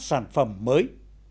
sản phẩm mới